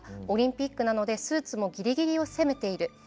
オリンピックなのでスーツもぎりぎりを攻めている。